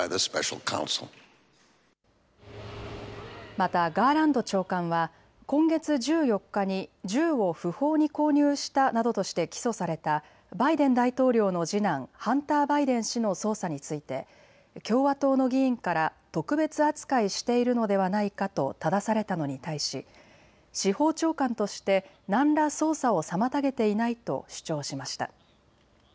またガーランド長官は今月１４日に銃を不法に購入したなどとして起訴されたバイデン大統領の次男、ハンター・バイデン氏の捜査について共和党の議員から特別扱いしているのではないかとただされたのに対し司法長官として何ら捜査を妨げていないと主張しました。